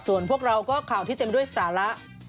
ส่วนพวกเราก็ข่าวที่เต็มด้วยสาระ